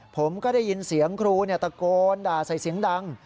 ผมก็ได้ยินเสียงครูตะโกนด่าใส่เสียงดัง